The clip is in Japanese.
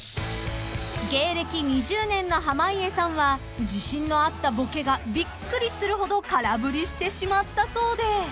［芸歴２０年の濱家さんは自信のあったボケがびっくりするほど空振りしてしまったそうで］